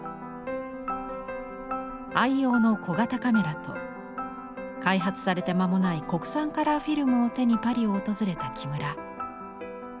愛用の小型カメラと開発されて間もない国産カラーフィルムを手にパリを訪れた木村。